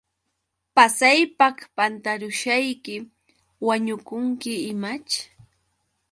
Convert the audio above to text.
Pasaypaq pantarusayki, ¿wañukunki imaćh?